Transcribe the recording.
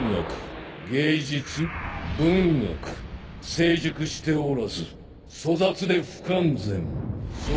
成熟しておらず粗雑で不完全そ